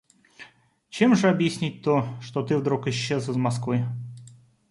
Чем же объяснить то, что ты вдруг исчез из Москвы?